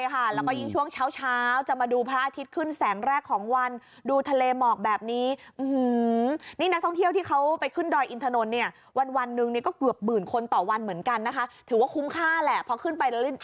ใช่ค่ะแล้วมายิงช่วงเช้าจะมาดูพระอาทิตย์ขึ้นแสงแรกของวัน